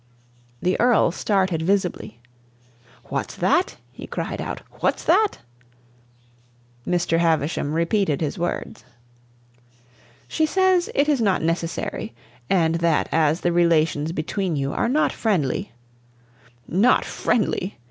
The Earl started visibly. "What's that?" he cried out. "What's that?" Mr. Havisham repeated his words. "She says it is not necessary, and that as the relations between you are not friendly " "Not friendly!"